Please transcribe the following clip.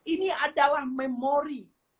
ini adalah memori